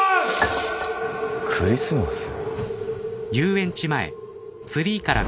クリスマス。